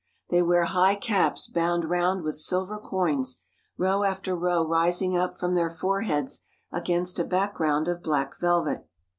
They wear high caps bound round with silver coins, row after row rising up from their foreheads against a background of black velvet.